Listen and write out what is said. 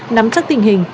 nắm chắc tình hình